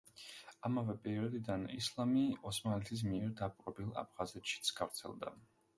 ამავე პერიოდიდან ისლამი ოსმალეთის მიერ დაპყრობილ აფხაზეთშიც გავრცელდა.